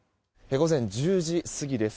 午前１０時過ぎです。